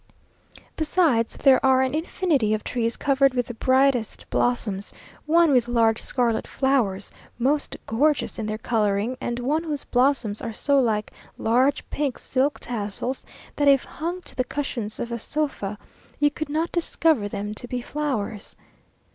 Besides these are an infinity of trees covered with the brightest blossoms; one, with large scarlet flowers, most gorgeous in their colouring, and one whose blossoms are so like large pink silk tassels, that if hung to the cushions of a sofa, you could not discover them to be flowers.